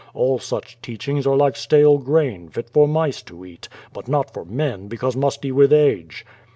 All such teachings are like stale grain, fit for mice to eat, but not for men, because musty with age."